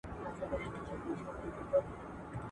ښځه د خاوند لپاره امانت ده.